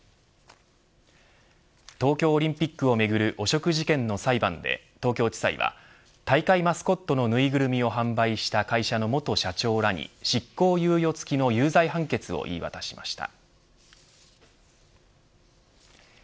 東京オリンピックをめぐる汚職事件の裁判で東京地裁は大会マスコットのぬいぐるみを販売した会社の元社長らに執行猶予付きの有罪判決を言い渡しました。